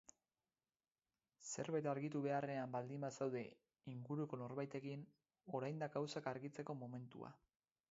Zerbait argitu beharrean baldin bazaude inguruko norbaitekin, orain da agauzak argitzeko momentua.